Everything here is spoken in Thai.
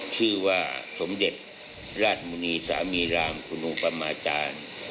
ชื่อว่าสมเด็จราชมุณีสามีรามคุณอุปมาจารย์